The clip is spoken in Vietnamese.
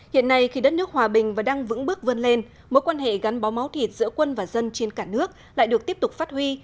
hiện nay khi đất nước hòa bình và đang vững bước vươn lên mối quan hệ gắn bó máu thịt giữa quân và dân trên cả nước lại được tiếp tục phát huy